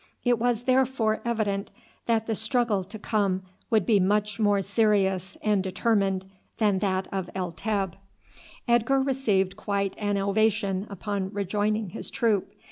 It was therefore evident that the struggle to come would be much more serious and determined than that of El Teb. Edgar received quite an ovation upon rejoining his troop.